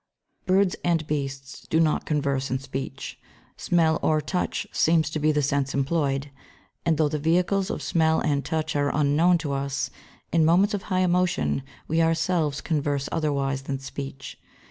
Birds and beasts do not converse in speech, smell or touch seems to be the sense employed; and though the vehicles of smell and touch are unknown to us, in moments of high emotion we ourselves converse otherwise than by speech.